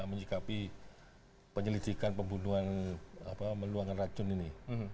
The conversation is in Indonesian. menyikapi penyelidikan pembunuhan meluangkan racun ini